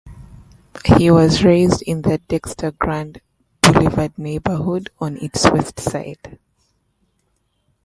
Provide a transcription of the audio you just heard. He was raised in the Dexter-Grand Boulevard neighborhood on its West Side.